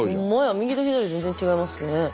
右と左全然違いますね。